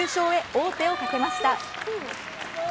王手をかけました。